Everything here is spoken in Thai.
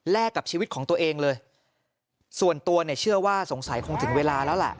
กับชีวิตของตัวเองเลยส่วนตัวเนี่ยเชื่อว่าสงสัยคงถึงเวลาแล้วแหละ